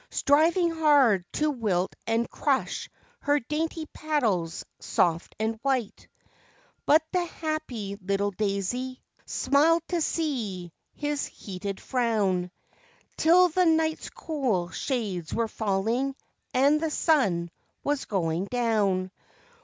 Striving hard to wilt x and crush her dainty petals, soft and white. But the happy little daisy smiled to see his heated frown, *Til the night's cool shades were falling and the sun was going down.